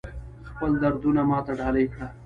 خپل دردونه ماته ډالۍ کړه